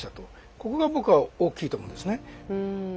ここが僕は大きいと思うんですね。